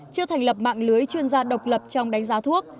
chưa thành lập mạng lưới chuyên gia độc lập trong đánh giá thuốc